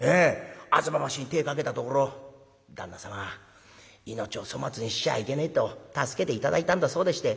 吾妻橋に手ぇかけたところ旦那様命を粗末にしちゃいけねえと助けて頂いたんだそうでして。